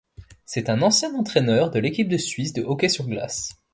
C'est un ancien entraîneur de l'équipe de Suisse de hockey sur glace.